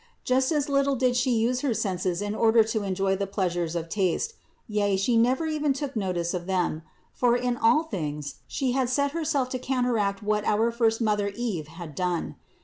Just as little did She use her senses in order to enjoy the pleasures of taste, yea She never even took notice of them ; for in all things She had set Herself to counteract what our first mother Eve had done.